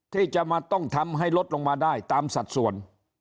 ที่จะมาต้องทำให้ลดลงมาได้ตามสัดส่วน